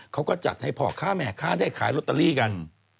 เขาก็จัดให้พ่อค้าแม่ค้าได้ขายลอตเตอรี่กัน